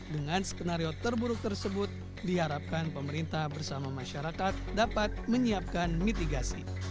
dengan skenario terburuk tersebut diharapkan pemerintah bersama masyarakat dapat menyiapkan mitigasi